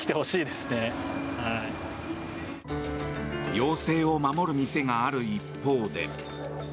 要請を守る店がある一方で。